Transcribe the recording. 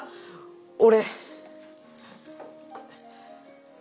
俺。